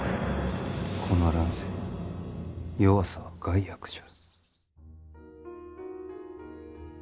この乱世弱さは害悪じゃ。